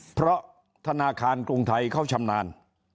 เพราะธนาคารกรุงไทยเขาชำนาญ